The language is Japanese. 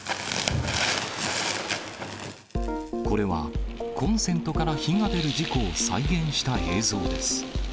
これはコンセントから火が出る事故を再現した映像です。